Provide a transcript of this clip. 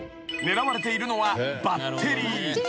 狙われているのはバッテリー］